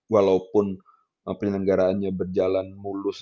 walaupun penyelenggaraannya berjalan mulus